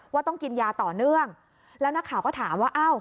ว่าต้องกินยาต่อเนื่องแล้วนักข่าวก็ถามว่าอ้าว